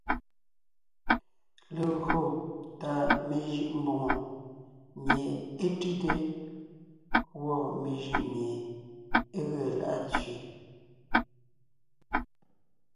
Legÿo tà mejʉʼ mbòŋo mie é tʉ́te; gwɔ́ mejʉʼ mié é ge lá’a tsẅé.